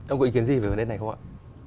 ông có ý kiến gì về nơi này không ạ